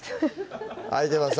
開いてます